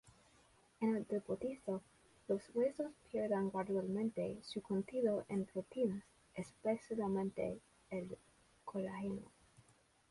En el depósito, los huesos pierden gradualmente su contenido en proteínas, especialmente el colágeno.